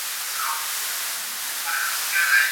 افغان سوداګر څنګه د پاکستان ویزه ترلاسه کولای سي؟